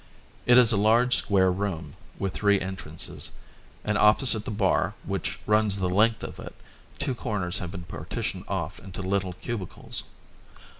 It is a large square room, with three entrances, and opposite the bar, which runs the length of it, two corners have been partitioned off into little cubicles.